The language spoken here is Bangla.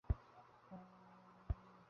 বেদের অনন্তত্বের তাৎপর্য এখন আমরা বুঝিতে পারি।